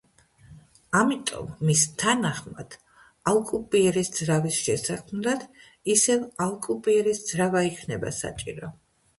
ამიტომ მის თანახმად ალკუბიერეს ძრავის შესაქმნელად ისევ ალკუბიერეს ძრავა იქნება საჭირო.